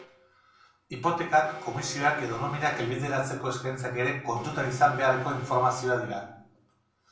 Hipotekak, komisioak edo nominak helbideratzeko eskaintzak ere kontutan izan beharreko informazioa dira.